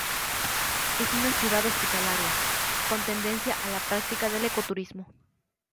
Es una ciudad hospitalaria, con tendencia a la práctica del ecoturismo.